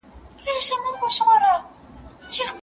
ماهر د ساعت ارزښت معلوم کړی و.